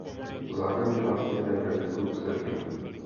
V základní části hraje každý klub s každým.